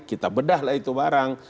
kita bedah lah itu barang